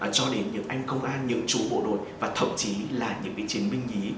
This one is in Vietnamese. cho đến những anh công an những chủ bộ đội và thậm chí là những chiến binh nhí